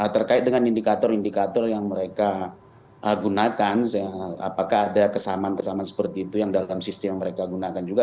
terkait dengan indikator indikator yang mereka gunakan apakah ada kesamaan kesamaan seperti itu yang dalam sistem yang mereka gunakan juga